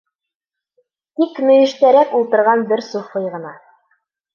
Тик мөйөштәрәк ултырған бер суфый ғына: